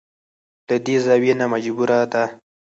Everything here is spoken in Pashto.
له دې زاويې نه مجبوره ده.